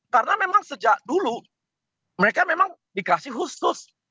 karena memang sejak dulu mereka memang dikasih khusus